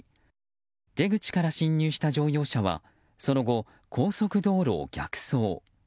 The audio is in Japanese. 出口から進入した乗用車はその後、高速道路を逆走。